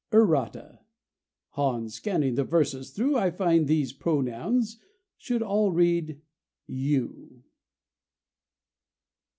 [Footnote A: (Errata: On scanning the verses through I find these pronouns should all read "You.")